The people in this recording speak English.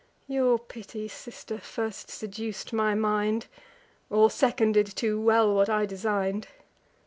Your pity, sister, first seduc'd my mind, Or seconded too well what I design'd.